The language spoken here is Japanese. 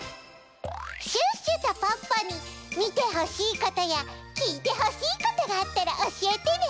シュッシュとポッポにみてほしいことやきいてほしいことがあったらおしえてね！